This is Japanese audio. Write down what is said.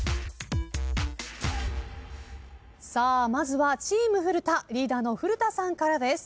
まずはチーム古田リーダーの古田さんからです。